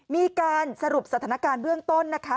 มีการสรุปสถานการณ์เบื้องต้นนะคะ